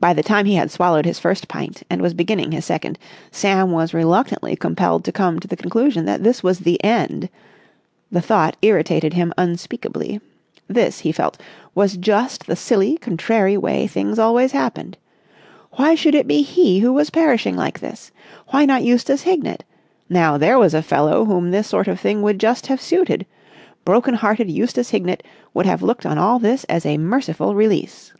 By the time he had swallowed his first pint and was beginning his second, Sam was reluctantly compelled to come to the conclusion that this was the end. The thought irritated him unspeakably. This, he felt, was just the silly, contrary way things always happened. Why should it be he who was perishing like this? Why not Eustace Hignett? Now there was a fellow whom this sort of thing would just have suited. Broken hearted Eustace Hignett would have looked on all this as a merciful release.